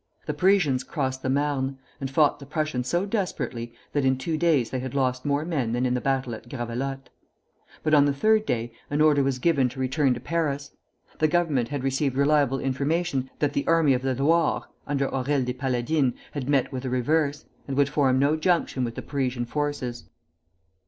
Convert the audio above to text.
The Parisians crossed the Marne, and fought the Prussians so desperately that in two days they had lost more men than in the battles at Gravelotte. But on the third day an order was given to return to Paris; the Government had received reliable information that the Army of the Loire (under Aurelles des Paladines) had met with a reverse, and would form no junction with the Parisian forces.